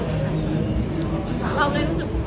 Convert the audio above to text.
เราเลยรู้สึก